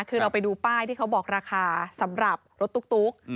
คือเราไปดูป้ายที่เขาบอกราคาสำหรับรถตุ๊ก